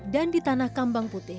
dan di tanah kambang putih